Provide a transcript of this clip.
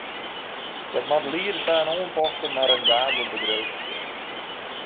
Dat moat liede ta in oanpaste, mar rendabele bedriuwsfiering.